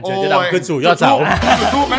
อัญเชิญใจดำต้องขึ้นสู่ย่อเสาร์